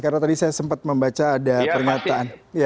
karena tadi saya sempat membaca ada pernyataan